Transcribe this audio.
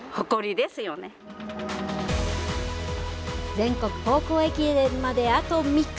全国高校駅伝まで、あと３日。